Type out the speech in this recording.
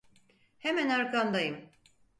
Hemen arkandayım.